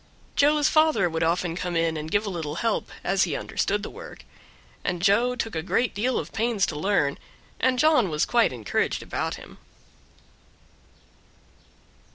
Joe's father would often come in and give a little help, as he understood the work; and Joe took a great deal of pains to learn, and John was quite encouraged about him.